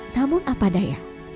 namun apa daya